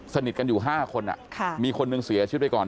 สนิทกันอยู่๕คนมีคนหนึ่งเสียชีวิตไปก่อน